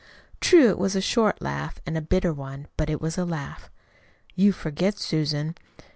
True, it was a short laugh, and a bitter one; but it was a laugh. "You forget, Susan.